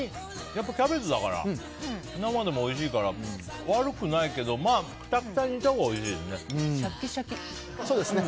やっぱりキャベツだから生でもおいしいから悪くないけどまあくたくたに煮たほうがおいしいですね。